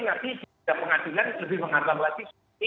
nanti di pengadilan lebih mengambang latih